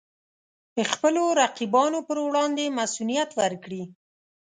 خپلو رقیبانو پر وړاندې مصئونیت ورکړي.